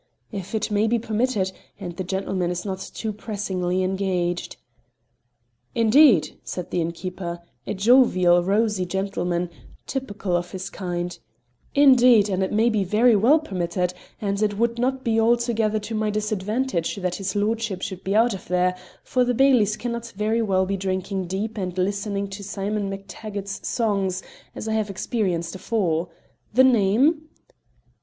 "If it may be permitted, and the gentleman is not too pressingly engaged." "Indeed," said the innkeeper a jovial rosy gentleman, typical of his kind "indeed, and it may very well be permitted, and it would not be altogether to my disadvantage that his lordship should be out of there, for the Bailies cannot very well be drinking deep and listening to Mr. Simon MacTag gart's songs, as I have experienced afore. The name?"